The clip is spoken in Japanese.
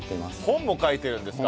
本も書いてるんですか？